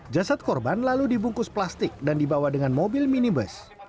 jasad korban lalu dibungkus plastik dan dibawa dengan mobil minibus